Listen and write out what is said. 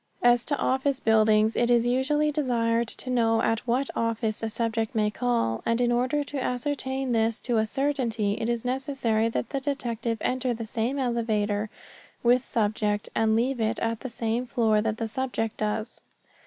As to office buildings it is usually desired to know at what office a subject may call, and in order to ascertain this to a certainty it is necessary that the detective enter the same elevator with subject and leave it at the same floor that subject does.